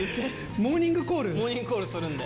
モーニングコールするんで。